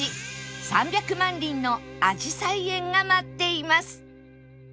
３００万輪のあじさい園が待っています